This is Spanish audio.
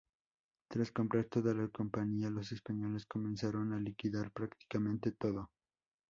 Tras comprar toda la compañía los españoles comenzaron a liquidar prácticamente todo.